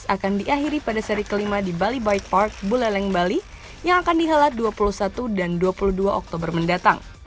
akan diakhiri pada seri kelima di bali bike park buleleng bali yang akan dihelat dua puluh satu dan dua puluh dua oktober mendatang